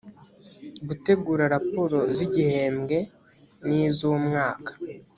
gutegura raporo z igihembwe ni z umwaka